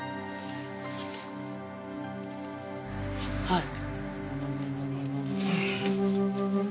はい。